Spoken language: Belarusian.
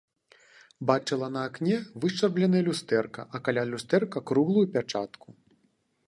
Бачыла на акне вышчарбленае люстэрка, а каля люстэрка круглую пячатку.